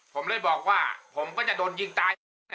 ผมเลยบอกว่าผมก็จะโดนยิงตาย